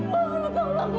ada yang membuka ini